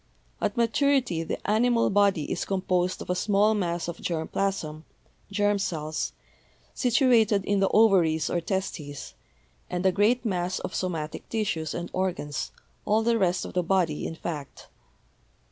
At maturity the animal body is composed of a small mass of germ plasm (germ cells), situated in the ovaries or testes, and a great mass of somatic tissues and organs, all the rest of the body, in fact.